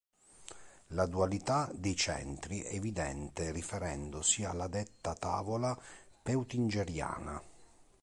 La dualità dei centri è evidente riferendosi alla detta Tavola Peutingeriana.